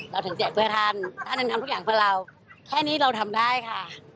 เราถึงแจกเพื่อท่านท่านยังทำทุกอย่างเพื่อเราแค่นี้เราทำได้ค่ะ